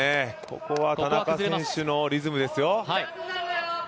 ここは田中選手のリズムですよ。